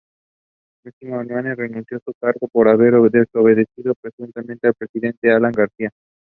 More detailed analyzes were carried out in the following years.